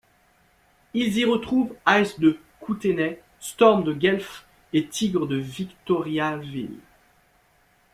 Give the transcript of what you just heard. Ils y retrouvent Ice de Kootenay, Storm de Guelph et Tigres de Victoriaville.